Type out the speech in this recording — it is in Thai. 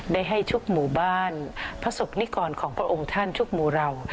ได้ให้ทุกหมู่บ้านพระศกนิกรของพระองค์ท่านทุกหมู่เรา